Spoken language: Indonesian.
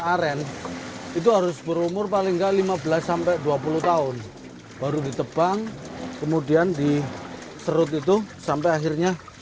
aren itu harus berumur paling gak lima belas dua puluh tahun baru ditebang kemudian diserut itu sampai akhirnya